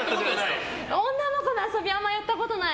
女の子の遊びあんまやったことない。